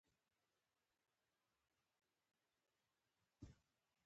زه له ګرمو جامو کار اخلم.